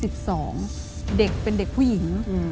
เด็กเป็นเด็กผู้หญิง